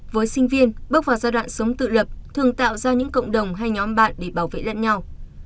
với sinh viên bước vào giai đoạn sống tự lập thường tạo ra những cộng đồng hay nhóm bạn để bảo vệ lẫn nhau